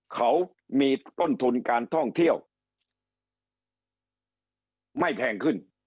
เขามีต้นทุนการท่องเที่ยวไม่แพงขึ้น